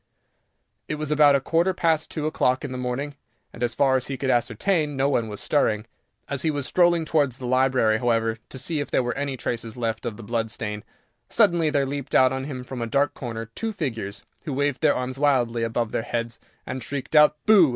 It was about a quarter past two o'clock in the morning, and, as far as he could ascertain, no one was stirring. As he was strolling towards the library, however, to see if there were any traces left of the blood stain, suddenly there leaped out on him from a dark corner two figures, who waved their arms wildly above their heads, and shrieked out "BOO!"